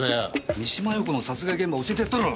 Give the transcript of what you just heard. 三島陽子の殺害現場教えてやったろ！